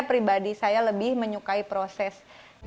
pribadi saya lebih menyukai proses